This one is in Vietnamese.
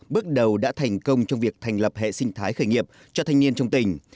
bước đầu đã thành công trong việc thành lập hệ sinh thái khởi nghiệp cho thanh niên trong tỉnh